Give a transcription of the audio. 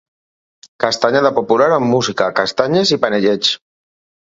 Castanyada popular amb música, castanyes i panellets.